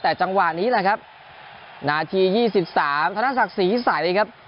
แต่จังหวะนี้แหละครับนาทียี่สิบสามธนศักดิ์ศรีใสเลยครับ